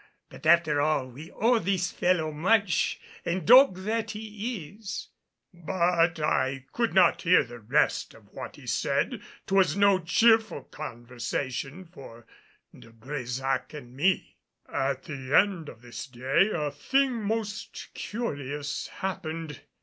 But after all we owe this fellow much, and dog that he is " but I could not hear the rest of what he said. 'Twas no cheerful conversation for De Brésac and me. At the end of this day a thing most curious happened.